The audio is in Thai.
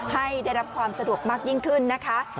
ให้ได้รับความสะดวกมากยิ่งขึ้นนะคะ